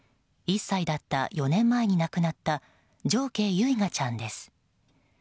１歳だった４年前に亡くなった常慶唯雅ちゃんです。